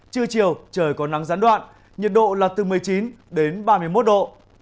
trưa chiều trời có nắng gián đoạn nhiệt độ là từ một mươi chín đến ba mươi một độ